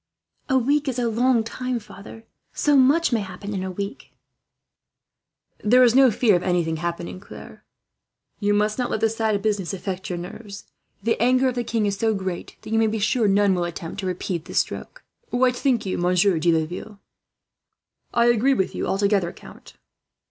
"A week is a long time, father. So much may happen in a week." "There is no fear of anything happening, Claire. You must not let this sad business affect your nerves. The anger of the king is so great that you may be sure none will attempt to repeat this stroke. "What think you, Monsieur de Laville?" "I agree with you altogether, count."